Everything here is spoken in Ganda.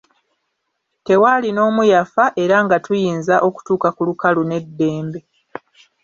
Tewaali n'omu yafa era nga tuyinza okutuuka ku lukalu n'eddembe.